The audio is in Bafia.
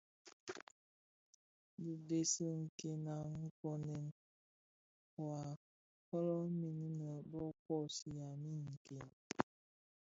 Dhi dhesi nken wa nkonen waa folomin innë bo kosigha min nken.